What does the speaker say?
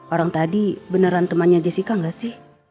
orang tadi beneran temannya jessica nggak sih